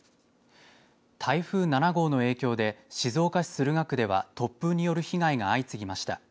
台風７号の影響で静岡市駿河区では突風による被害が相次ぎました。